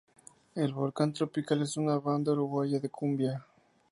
El Volcán Tropical es una banda uruguaya de cumbia.